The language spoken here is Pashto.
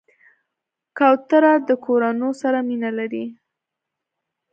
کوتره د کورونو سره مینه لري.